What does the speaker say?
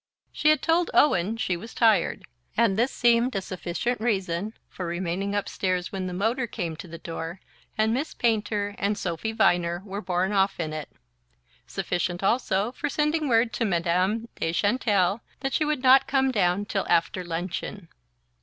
She had told Owen she was tired, and this seemed a sufficient reason for remaining upstairs when the motor came to the door and Miss Painter and Sophy Viner were borne off in it; sufficient also for sending word to Madame de Chantelle that she would not come down till after luncheon.